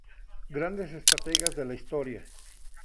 Grandes Estrategas de la Historia.